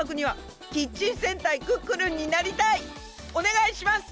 おねがいします！